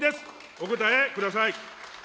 お答えください。